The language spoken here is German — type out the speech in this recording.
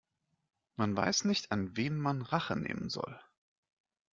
Man weiß nicht, an wem man Rache nehmen soll.